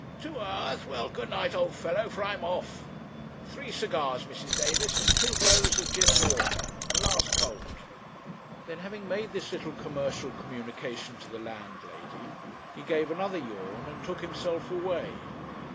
'Two hours! well, good night, old fellow, for I'm off. Three cigars, Mrs. Davis, and two goes of gin and water, the last cold.' Then, having made this little commercial communication to the landlady, he gave another yawn, and took himself away.